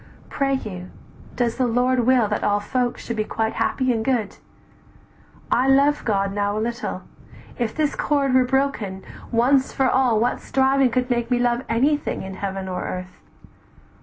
Pray you, does the Lord Will that all folks should be quite happy and good? I love God now a little, if this cord "Were broken, once for all what striving could Make me love anything in earth or heaven?